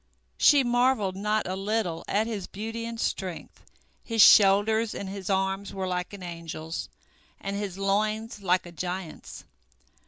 She marvelled not a little at his beauty and strength. His shoulders and his arms were like an angel's, and his loins like a giant's.